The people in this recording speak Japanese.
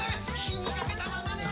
火にかけたままで。